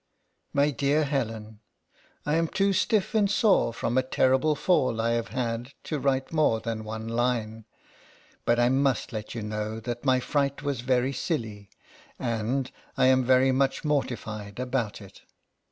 MY DEAR HELEN : I am too stiff and sore from a terrible fall I have had, to write more than one line ; but I must let you know that my fright was very silly, and I am very much mortified about it.